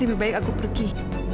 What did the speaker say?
lebih baik aku pergi